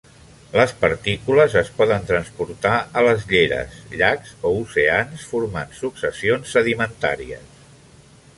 Les partícules es poden transportar a les lleres, llacs o oceans, formant successions sedimentàries.